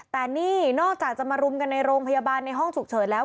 แต่นี่นอกจากจะมารุมกันในโรงพยาบาลในห้องฉุกเฉินแล้ว